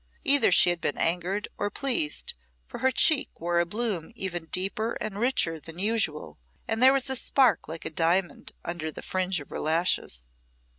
Either she had been angered or pleased, for her cheek wore a bloom even deeper and richer than usual, and there was a spark like a diamond under the fringe of her lashes.